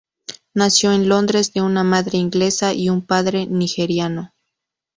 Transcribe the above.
Nació en Londres de una madre inglesa y un padre nigeriano.